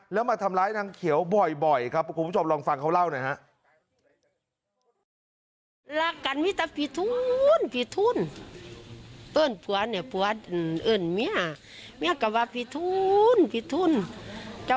แล้วมาทำร้ายนางเขียวบ่อยครับคุณผู้ชมลองฟังเขาเล่าหน่อยฮะ